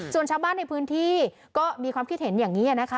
ส่วนชาวบ้านในพื้นที่ก็มีความคิดเห็นอย่างนี้นะคะ